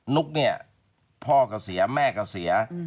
นุ๊กพ่อก็เสียแม่ก็เสีย